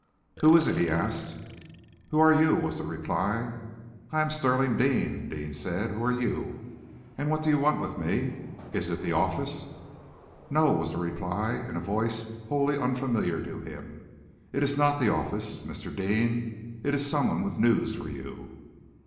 "Who is it?" he asked. "Who are you?" was the reply. "I am Stirling Deane," Deane said. "Who are you, and what do you want with me? Is it the office?" "No!" was the reply, in a voice wholly unfamiliar to him. "It is not the office, Mr. Deane. It is someone with news for you."